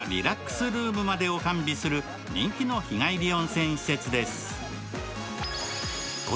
食事どころからリラックスルームまでを完備する人気の日帰り温泉施設です。